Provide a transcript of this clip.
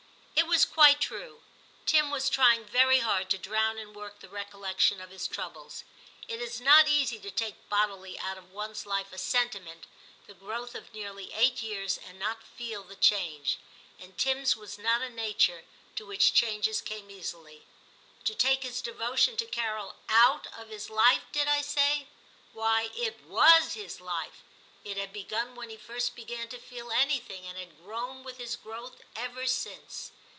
It was quite true ; Tim was trying very hard to drown in work the recollection of his troubles. It is not easy to take bodily out of one's life a sentiment, the growth of nearly eight years, and not feel the change ; and Tim's was not a nature to which changes XII TIM 285 came easily. To take his devotion to Carol out of his life, did I say ? Why, it was his life ; it had begun when he first began to feel anything, and had grown with his growth ever since.